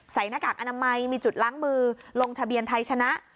หน้ากากอนามัยมีจุดล้างมือลงทะเบียนไทยชนะ